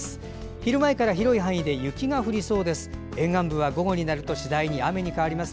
昼前から広い範囲で雪が降りそうです。